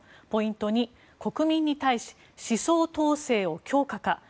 ポイント２国民に対し思想統制を強化か。